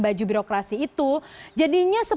baju birokrasi itu jadinya